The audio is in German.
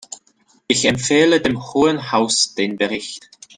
Ich empfehle dem Hohen Haus den Bericht.